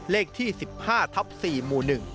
เลขที่๑๕ทับ๔หมู่๑